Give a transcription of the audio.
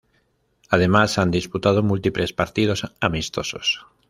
Además, han disputado múltiples partidos amistosos.